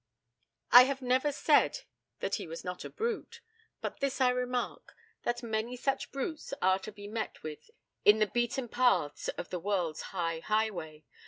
I have never said that he was not a brute. But this I remark, that many such brutes are to be met with in the beaten paths of the world's high highway.